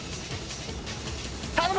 頼む！